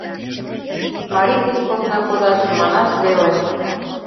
Марий деч посна кодаш — манаш веле.